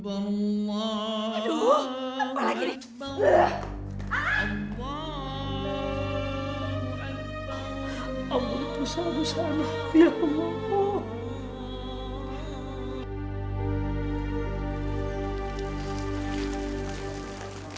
allah itu salib salam ya allah